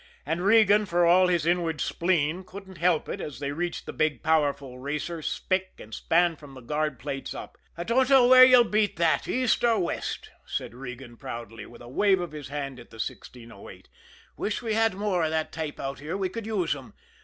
And Regan, for all his inward spleen, couldn't help it, as they reached the big, powerful racer, spick and span from the guard plates up. "I dunno where you'll beat that, East or West," said Regan proudly, with a wave of his hand at the 1608. "Wish we had more of that type out here we could use 'em.